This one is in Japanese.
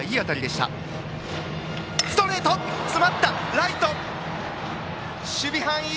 ライトの守備範囲。